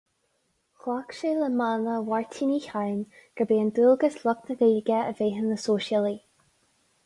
Ghlac sé le mana Mháirtín Uí Chadhain gurb é dualgas lucht na Gaeilge a bheith ina sóisialaigh.